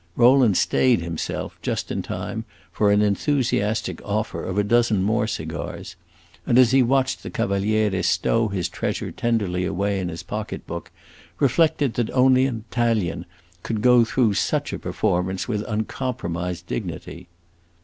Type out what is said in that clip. Rowland stayed himself, just in time, from an enthusiastic offer of a dozen more cigars, and, as he watched the Cavaliere stow his treasure tenderly away in his pocket book, reflected that only an Italian could go through such a performance with uncompromised dignity.